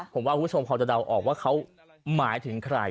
ผมว่าคุณผู้ชมพอจะเดาออกว่าเขาหมายถึงใคร